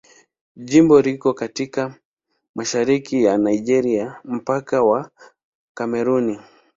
Jimbo liko katika mashariki ya Nigeria, mpakani wa Kamerun.